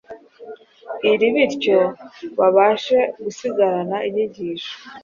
iri bityo babashe gusigarana inyigisho